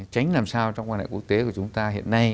tránh làm sao trong quan hệ quốc tế của chúng ta hiện nay